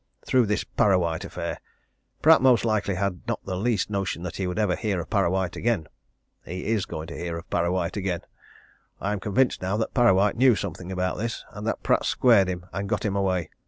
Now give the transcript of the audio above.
Through this Parrawhite affair. Pratt most likely had not the least notion that he would ever hear of Parrawhite again. He is going to hear of Parrawhite again! I am convinced now that Parrawhite knew something about this, and that Pratt squared him and got him away.